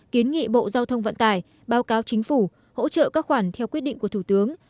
kiến nghị bộ giao thông vận tải báo cáo chính phủ hỗ trợ các khoản theo quyết định của thủ tướng